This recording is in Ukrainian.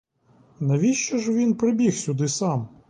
Навіщо ж він прибіг сюди сам?